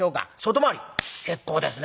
結構ですね。